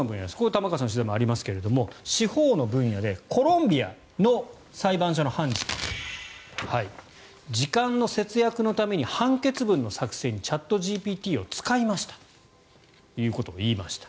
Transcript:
玉川さんの取材もありますが司法の分野でコロンビアの裁判所の判事時間の節約のために判決文の作成にチャットＧＰＴを使いましたということを言いました。